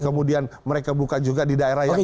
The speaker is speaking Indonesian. kemudian mereka buka juga di daerah yang